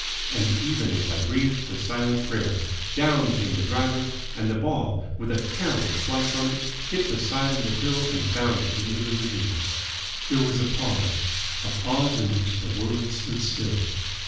And even as I breathed a silent prayer, down came the driver, and the ball, with a terrible slice on it, hit the side of the hill and bounded into the ravine. There was a pause a pause in which the world stood still.